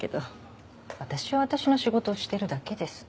私は私の仕事をしてるだけです。